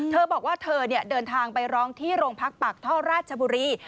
เธอบอกว่าเธอเดินทางไปร้องที่โรงพักปากท่อราชบุรี